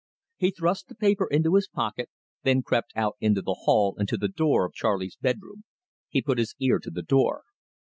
He thrust the paper into his pocket, then crept out into the hall and to the door of Charley's bedroom. He put his ear to the door.